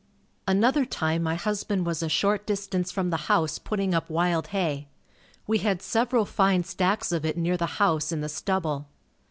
Another time my husband was a short distance from the house putting up wild hay. We had several fine stacks of it near the house in the stubble.